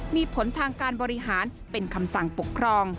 มีผลทางการบริหารเป็นคำสั่งปกครอง